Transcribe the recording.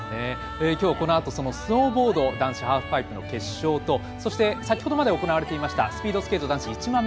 きょう、このあとスノーボード男子ハーフパイプの決勝とそして、先ほどまで行われていましたスピードスケート男子１００００ｍ。